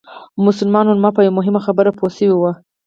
مسلمان علما په یوه مهمه خبره پوه شوي وو.